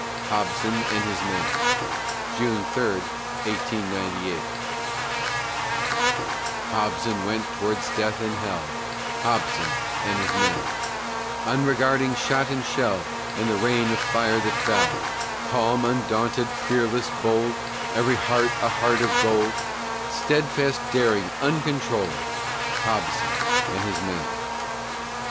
HOBSON AND HIS MEN [June 3, 1898] Hobson went towards death and hell, Hobson and his men, Unregarding shot and shell, And the rain of fire that fell; Calm, undaunted, fearless, bold, Every heart a heart of gold, Steadfast, daring, uncontrolled, Hobson and his men.